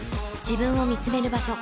自分をみつめる場所